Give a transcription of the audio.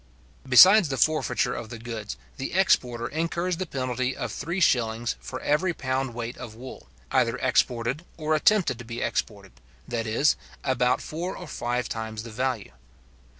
Besides the forfeiture of the goods, the exporter incurs the penalty of 3s. for every pound weight of wool, either exported or attempted to be exported, that is, about four or five times the value.